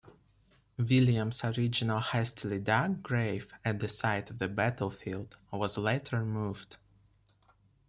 Williams' original hastily dug grave at the site of the battlefield was later moved.